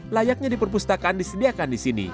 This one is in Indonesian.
layaknya diperpustakan disediakan di sini